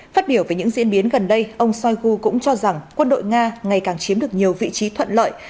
phát biểu về những diễn biến gần đây ông shoigu cũng cho rằng quân đội nga ngày càng chiếm được nhiều vị trí thuận lợi